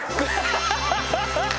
ハハハハ！